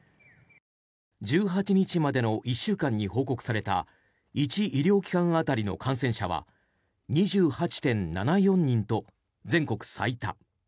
１８日までの１週間に報告された１医療機関当たりの感染者は２８．７４人と全国最多。